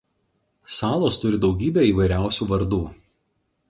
Salos turi daugybę įvairiausių vardų.